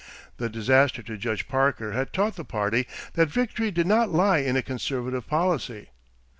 The disaster to Judge Parker had taught the party that victory did not lie in a conservative policy.